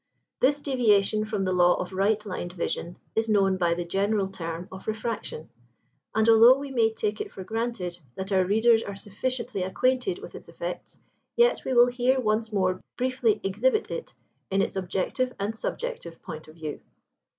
This deviation from the law of right lined vision is known by the general term of refraction; and, although we may take it for granted that our readers are sufficiently acquainted with its effects, yet we will here once more briefly exhibit it in its objective and subjective point of view.